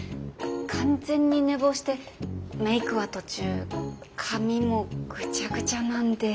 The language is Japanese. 完全に寝坊してメークは途中髪もグチャグチャなんで。